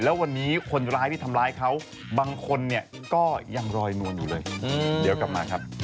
แล้ววันนี้คนร้ายที่ทำร้ายเขาบางคนเนี่ยก็ยังรอยนวลอยู่เลยเดี๋ยวกลับมาครับ